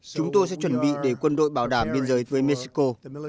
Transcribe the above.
chúng tôi sẽ chuẩn bị để quân đội bảo đảm biên giới với mexico